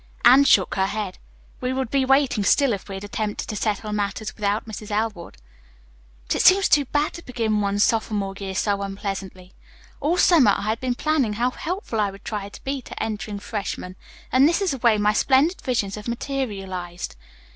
Anne shook her head. "We would be waiting still, if we had attempted to settle matters without Mrs. Elwood." "But it seems too bad to begin one's sophomore year so unpleasantly. All summer I had been planning how helpful I would try to be to entering freshmen, and this is the way my splendid visions have materialized."